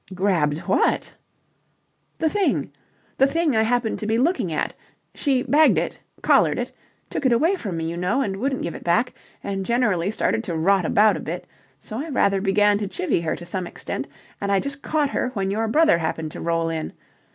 "Grabbed what?" "The thing. The thing I happened to be looking at. She bagged it... collared it... took it away from me, you know, and wouldn't give it back and generally started to rot about a bit, so I rather began to chivvy her to some extent, and I'd just caught her when your brother happened to roll in.